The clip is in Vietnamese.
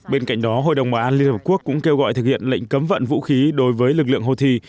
bên cạnh đó hội đồng bảo an liên hợp quốc cũng kêu gọi thực hiện lệnh cấm vận vũ khí đối với lực lượng houthi